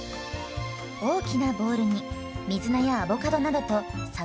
大きなボウルに水菜やアボカドなどとさばを入れたら。